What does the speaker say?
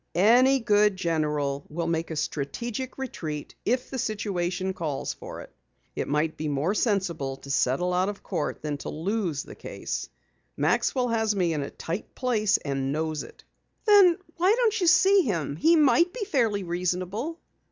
"Any good general will make a strategic retreat if the situation calls for it. It might be more sensible to settle out of court than to lose the case. Maxwell has me in a tight place and knows it." "Then why don't you see him? He might be fairly reasonable."